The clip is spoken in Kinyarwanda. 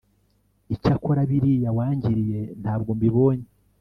icyakora biriya wangiriye ntabwo mbibonye